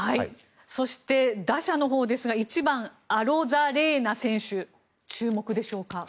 そして、打者のほうですが１番、アロザレーナ選手注目でしょうか？